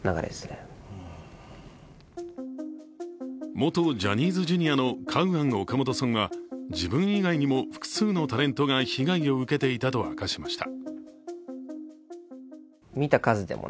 元ジャニーズＪｒ．のカウアン・オカモトさんは自分以外にも複数のタレントが被害を受けていたと明かしました。